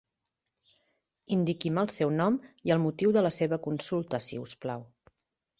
Indiqui'm el seu nom i el motiu de la seva consulta, si us plau.